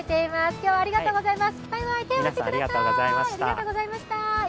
今日はありがとうございます。